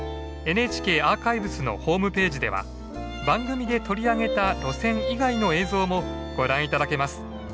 ＮＨＫアーカイブスのホームページでは番組で取り上げた路線以外の映像もご覧頂けます。